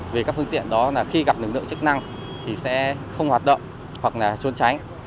vì các phương tiện đó khi gặp lực lượng chức năng thì sẽ không hoạt động hoặc trốn tránh